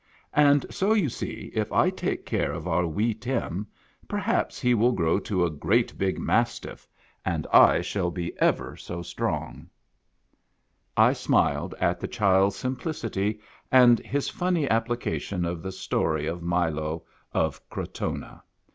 And so you see, if I take care of our wee Tim, perhaps he will grow to a great big mastiff, and I shall be ever so strong." THE NEW SWISS FAMILY ROBINSON. •/&!.MSr A ' Time I " I smiled at the child's simplicity, and his funny ap plication of the story of Milo of Crotona.